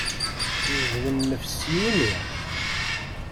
Jbed nnefs s yimi.